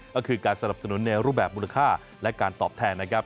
ก็คือการสนับสนุนในรูปแบบมูลค่าและการตอบแทนนะครับ